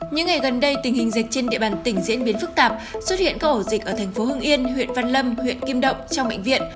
những ngày gần đây tình hình dịch trên địa bàn tỉnh diễn biến phức tạp xuất hiện các ổ dịch ở thành phố hưng yên huyện văn lâm huyện kim động trong bệnh viện